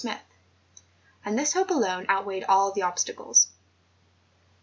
Smith; and this hope alone outweighed all the obstacles.